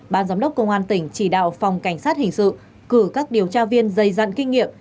ban giám đốc công an tỉnh chỉ đạo phòng cảnh sát hình sự cử các điều tra viên dày dặn kinh nghiệm